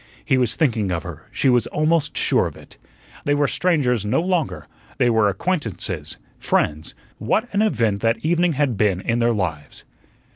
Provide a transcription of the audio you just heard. He was thinking of her, she was almost sure of it. They were strangers no longer; they were acquaintances, friends. What an event that evening had been in their lives!